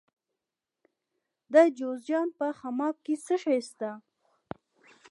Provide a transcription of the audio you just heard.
د جوزجان په خماب کې څه شی شته؟